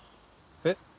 えっ？